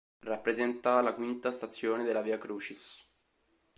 Rappresenta la quinta stazione della Via Crucis.